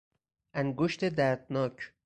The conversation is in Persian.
انگشت دردناک